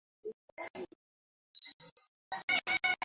ছবি সংরক্ষণ করা এবং নোট করার এভারনোট এবার স্যামসাং নিজেই চালু করবে।